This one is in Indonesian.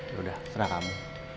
yaudah serah kamu